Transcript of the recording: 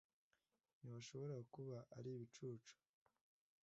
ntibishobora kuba ari ibicucu